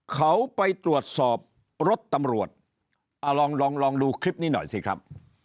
เขาไปตรวจสอบรถตำรวจลองลองดูคลิปนี้หน่อยสิครับ